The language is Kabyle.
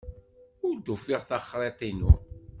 Ur d-ufiɣ taxriḍt-inu.